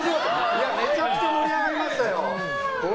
めちゃくちゃ盛り上がりましたよ。